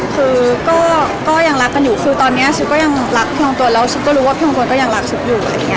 คือก็ยังรักกันอยู่คือตอนนี้ชิปก็ยังรักพี่องตวนแล้วชิปก็รู้ว่าพี่องตวนก็ยังรักชิปอยู่